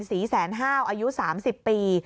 แสนห้าวอายุ๓๐ปี